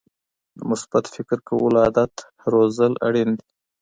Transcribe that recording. د مثبت فکر کولو عادت روزل اړین دي.